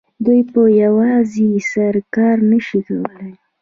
دوی په یوازې سر کار نه شي کولای